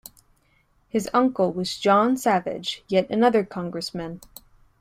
His uncle was John Savage, yet another Congressman.